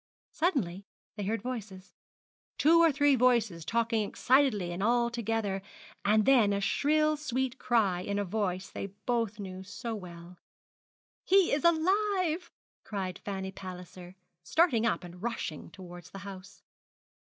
Suddenly they heard voices two or three voices talking excitedly and all together and then a shrill sweet cry in a voice they both knew so well. 'He is alive!' cried Fanny Palliser, starting up and rushing towards the house.